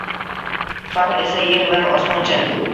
Farq esa yer bilan osmoncha.